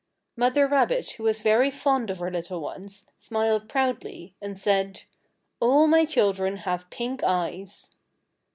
Mother rabbit, who was very fond of her little ones, smiled proudly, and said: "All my children have pink eyes!"